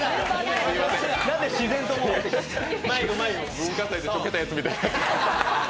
文化祭でチョケたやつみたい。